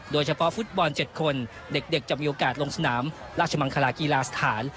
โดยเฉพาะฟุตบอล๗คนเด็กจะมีโอกาสลงสนามราชมังคลากีฬาสถาน